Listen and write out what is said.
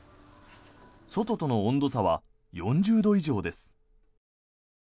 外との温度差は４０度以上です。